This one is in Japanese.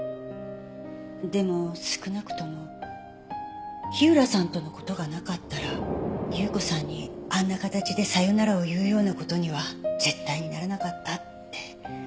でも少なくとも火浦さんとの事がなかったら有雨子さんにあんな形でさよならを言うような事には絶対にならなかったって。